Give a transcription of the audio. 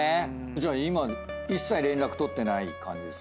じゃあ今一切連絡取ってない感じですか？